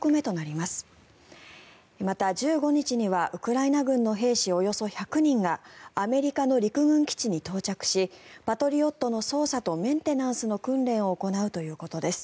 また、１５日にはウクライナ軍の兵士およそ１００人がアメリカの陸軍基地に到着しパトリオットの操作とメンテナンスの訓練を行うということです。